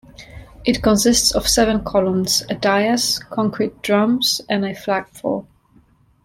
It consists of seven columns, a dias, concrete drums, and a flagpole.